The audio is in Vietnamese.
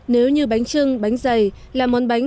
nếu như bánh chưng bánh dày là món bánh